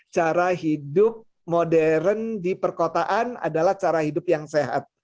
cara hidup modern di perkotaan adalah cara hidup yang sehat